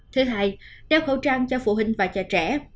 thứ hai đeo khẩu trang cho phụ huynh và cho trẻ